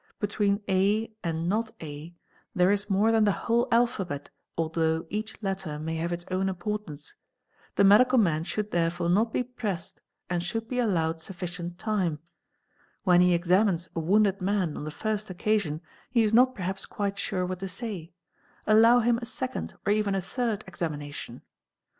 Between A _ and not A there is more than the whole alphabet although each letter may _ have its own importance; the medical man should therefore not be pressed _ and should be allowed sufficient time ; when he examines a wounded man _ on the first occasion he is not perhaps quite sure what to say,—allow him a second or even a third examination.